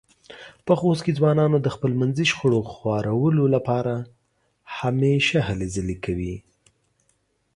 په خوست کې ځوانان د خپلمنځې شخړو خوارولو لپاره همېشه هلې ځلې کوي.